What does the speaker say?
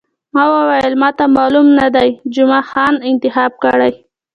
ما وویل، ما ته معلوم نه دی، جمعه خان انتخاب کړی.